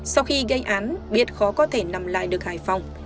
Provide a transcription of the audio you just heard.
sau khi gây án biết khó có thể nằm lại được hải phòng